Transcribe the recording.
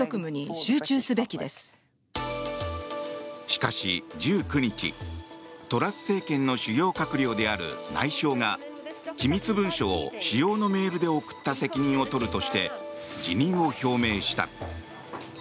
しかし、１９日トラス政権の主要閣僚である内相が機密文書を私用のメールで送った責任を取るとして辞任を表明した。